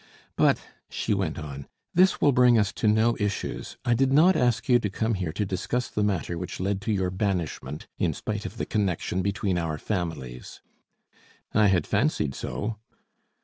"But," she went on, "this will bring us to no issues; I did not ask you to come here to discuss the matter which led to your banishment in spite of the connection between our families " "I had fancied so."